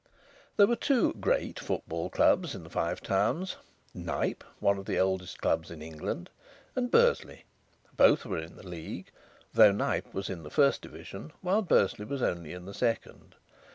There were two "great" football clubs in the Five Towns Knype, one of the oldest clubs in England, and Bursley. Both were in the League, though Knype was in the first division while Bursley was only in the second.